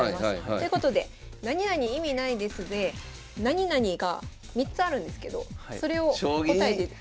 ということで「なになに意味ないです」で「なになに」が３つあるんですけどそれを答えてください。